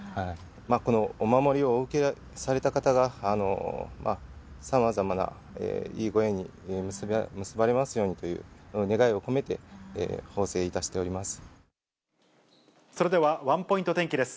このお守りをお受けされた方が、さまざまないいご縁に結ばれますようにという願いを込めて奉製いそれでは、ワンポイント天気です。